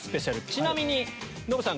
ちなみにノブさん